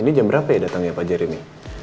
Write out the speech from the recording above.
ini jam berapa ya datangnya pak jerry